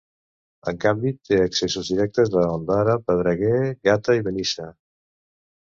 En canvi, té accessos directes a Ondara, Pedreguer, Gata i Benissa.